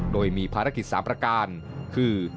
โดยมีภารกิจ๓ประการคือ